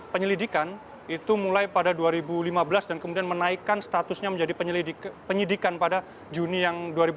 penyelidikan itu mulai pada dua ribu lima belas dan kemudian menaikkan statusnya menjadi penyidikan pada juni yang dua ribu delapan belas